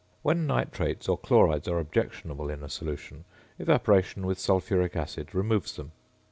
When nitrates or chlorides are objectionable in a solution, evaporation with sulphuric acid removes them.